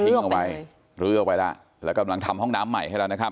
ลื้อออกไปเลยลื้อออกไปแล้วแล้วก็หลังทำห้องน้ำใหม่ให้เรานะครับ